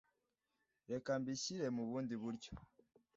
Reka mbishyire mu bundi buryo.